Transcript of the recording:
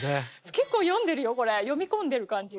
結構読んでるよこれ読み込んでる感じが。